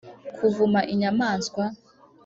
kuvuma inyamaswa,